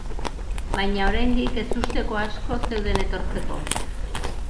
Baina oraindik ezusteko asko zeuden etortzeko.